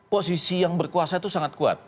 posisi yang berkuasa itu sangat kuat